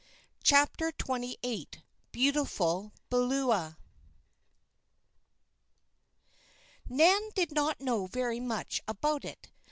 CHAPTER XXVIII BEAUTIFUL BEULAH Nan did not know very much about it.